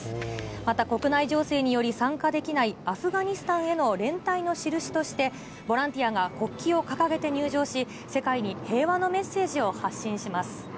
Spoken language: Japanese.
また国内情勢により参加できないアフガニスタンへの連帯の印として、ボランティアが国旗を掲げて入場し、世界に平和のメッセージを発信します。